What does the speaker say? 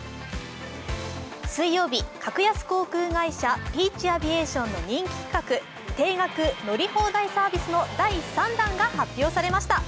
水曜日、格安航空会社ピーチ・アビエーションの人気企画、定額乗り放題サービスの第３弾が発表されました。